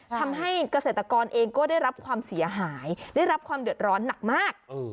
ทำให้เกษตรกรเองก็ได้รับความเสียหายได้รับความเดือดร้อนหนักมาก